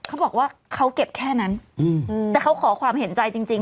เขาบอกว่าเขาเก็บแค่นั้นแต่เขาขอความเห็นใจจริง